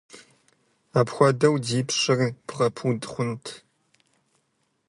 Апхуэдэу ди пщыр бгъэпуд хъунт!